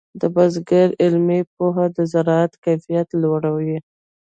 د بزګر علمي پوهه د زراعت کیفیت لوړوي.